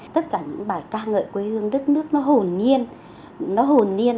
tất cả những bài ca ngợi quê hương đất nước nó hồn nhiên